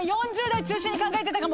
４０代中心に考えてたかも。